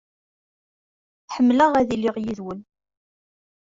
Ḥemmleɣ ad iliɣ yid-wen.